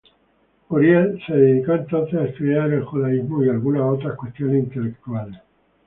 Uriel se dedicó entonces a estudiar el judaísmo y algunas otras cuestiones intelectuales.